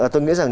tôi nghĩ rằng